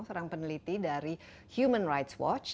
seorang peneliti dari human rights watch